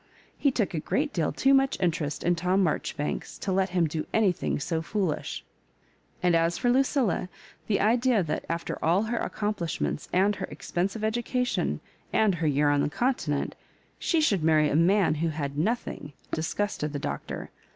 He took a great deal too much interest in Tom Marjoribanks to let him do anything so foolish ; and as for Lu cilla, thQ idea that, after all her accomplishments^ and her expensive education, and her year on the Continent, she should marry a man who had nothing, disgusted the Doctor.